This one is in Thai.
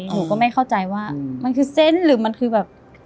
หนูก็ไม่เข้าใจว่ามันคือเซนต์หรือมันคือแบบ